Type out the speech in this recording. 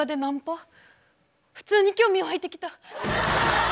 普通に興味湧いてきた。